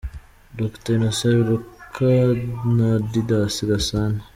Dr Innocent Biruka, na Didas Gasana